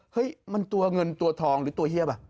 เฮ้ยมันตัวเงินตัวทองหรือตัวเฮียบอ่ะ